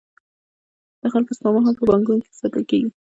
د خلکو سپما هم په بانکونو کې ساتل کېږي